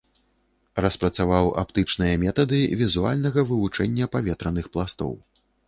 Распрацаваў аптычныя метады візуальнага вывучэння паветраных пластоў.